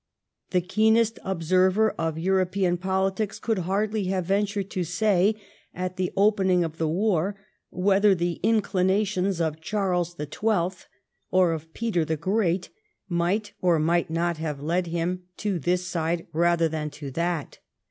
The keenest observer of European politics could hardly have ventured to say, at the opening of the war, whether the inclinations of Charles the Twelfth or of Peter the Great might or might not have led him to this side rather than to that.